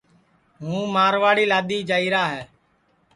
ہُوں مارواڑی لادؔی جائیرا ہے